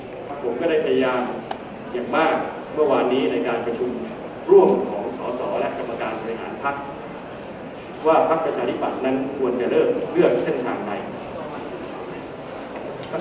ผมก็ได้พยายามอย่างมากเมื่อวานนี้ในการประชุมร่วมของสอสอและกรรมการบริหารภักดิ์ว่าพักประชาธิบัตินั้นควรจะเลิกเลือกเส้นทางไหน